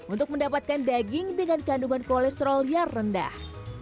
untuk mendapatkan daging dengan kandungan kolesterol yang rendah